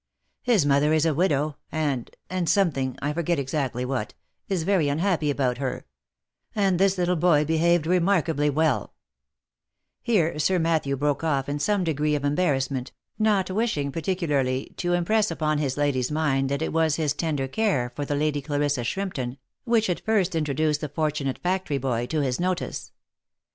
His mother is a widow, and— and something, I forget exactly what, is very unhappy about her — and this little boy behaved remarkably well —" Here Sir Matthew broke off in some degree of embarrass ment, not wishing particularly to impress upon his lady's mind that it was his tender care for the Lady Clarissa Shrimpton, which had first introduced the fortunate factory boy to his notice.